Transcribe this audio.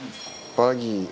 バギー